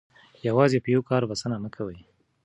یوازې په یوه کار بسنه مه کوئ.